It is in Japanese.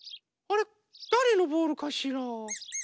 あれっ？だれのボールかしら？